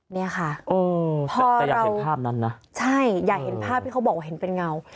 เนี่ยค่ะแต่อยากเห็นภาพนั้นนะใช่อยากเห็นภาพที่เขาบอกว่าเห็นเป็นเงา